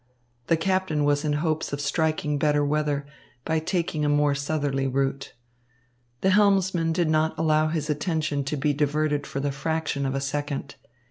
The captain was in hopes of striking better weather by taking a more southerly route. The helmsman did not allow his attention to be diverted for the fraction of a second.